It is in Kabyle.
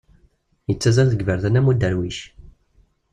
Yettazzal deg yiberdan am uderwic.